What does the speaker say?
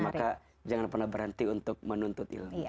maka jangan pernah berhenti untuk menuntut ilmu